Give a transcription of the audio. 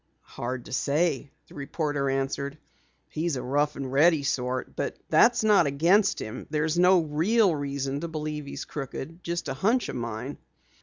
"Hard to say," the reporter answered. "He's a rough and ready sort, but that's not against him. There's no real reason to believe he's crooked just a hunch of mine."